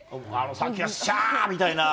さっきは、しゃーみたいな。